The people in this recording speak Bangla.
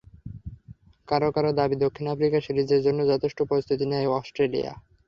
কারও কারও দাবি দক্ষিণ আফ্রিকার সিরিজের জন্য যথেষ্ট প্রস্তুতিই নেয়নি অস্ট্রেলিয়া।